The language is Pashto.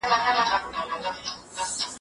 د خدای په لاره کې مال مصرف کړئ.